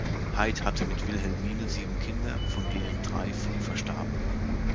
Heyd hatte mit Wilhelmine sieben Kinder, von denen drei früh verstarben.